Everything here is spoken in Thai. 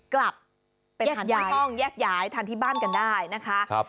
กลับไปทานที่ต้องแยกย้ายทานที่บ้านกันได้นะคะ